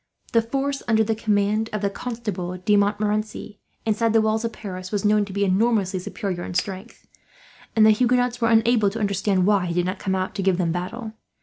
The force under the command of the Constable de Montmorency, inside the walls of Paris, was known to be enormously superior in strength; and the Huguenots were unable to understand why he did not come out to give them battle.